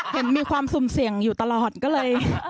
เห็นมีความสุ่มเสี่ยงอยู่ตลอดก็เลย